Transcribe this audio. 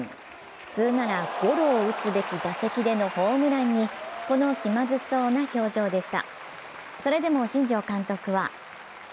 普通ならゴロを打つべき打席でのホームランにこの気まずそうな表情でした。